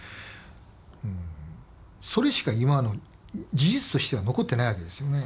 うんそれしか今の事実としては残ってないわけですよね。